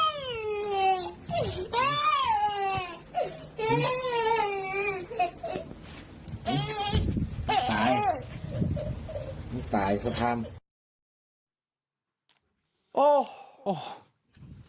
ส่งงอเมียด้วยวิธีนี้หรอพี่